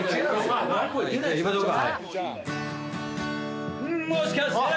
いきましょうか。